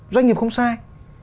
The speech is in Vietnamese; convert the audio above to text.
doanh nghiệp không sai